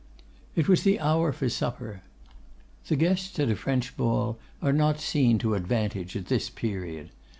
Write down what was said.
It was the hour for supper. The guests at a French ball are not seen to advantage at this period.